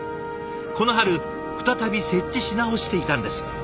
この春再び設置し直していたんです。